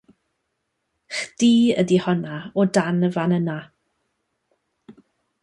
Chdi ydi honna o dan y fan yna